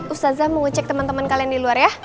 ustazah mau ngecek temen temen kalian di luar ya